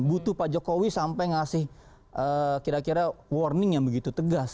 butuh pak jokowi sampai ngasih kira kira warning yang begitu tegas